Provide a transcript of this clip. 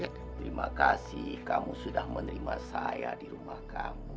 terima kasih kamu sudah menerima saya di rumah kamu